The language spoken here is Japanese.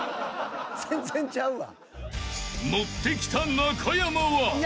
全然ちゃうわ。